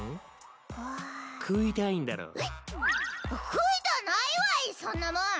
食いたないわいそんなもん！